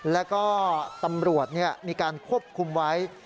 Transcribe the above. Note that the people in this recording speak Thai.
แล้วก็ตำรวจมีการควบคุมไว้